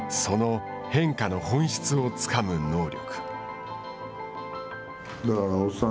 その変化の本質をつかむ能力。